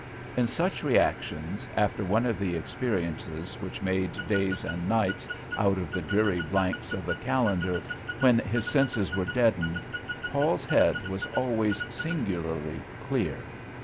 In such reactions, after one of the experiences which made days and nights out of the dreary blanks of the calendar, when his senses were deadened, Paul's head was always singularly clear.